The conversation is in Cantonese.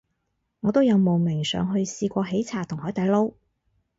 我都有慕名上去試過喜茶同海底撈